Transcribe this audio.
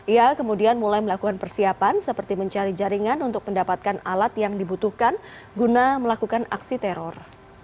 ia kemudian mulai melakukan persiapan seperti mencari jaringan untuk mendapatkan alat yang dibutuhkan guna melakukan aksi teror